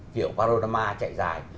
kiểu panorama chạy dài